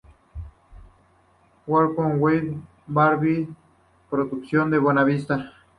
Workout With Barbie" producido por Buena Vista.